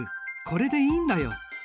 これでいいんだよ。